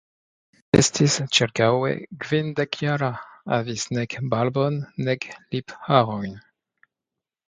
Li estis ĉirkaŭe kvindekjara, havis nek barbon nek lipharojn.